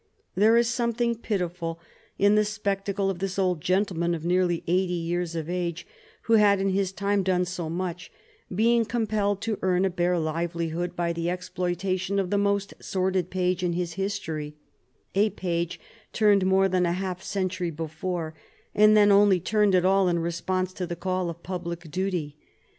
There is something pitiful in the spectacle of this old gentleman of nearly eighty years of age, who had in his time done so much, being compelled to earn a bare livelihood by the exploitation of the most sordid page in his history a page turned more than half a century before, and then only turned at all in response to the call of public duty.